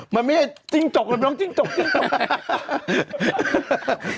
มันไม่ได้จิ้งจกมันไม่ร้องจิ้งจกจิ้งจก